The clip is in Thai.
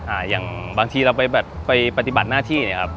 อ่าอย่างบางทีเราไปแบบไปปฏิบัติหน้าที่